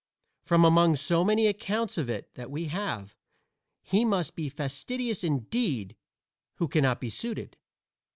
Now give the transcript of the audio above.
From among so many accounts of it that we have, he must be fastidious indeed who cannot be suited.